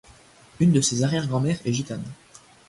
Une de ses arrière-grands-mères est gitane.